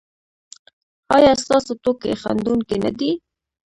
ایا ستاسو ټوکې خندونکې نه دي؟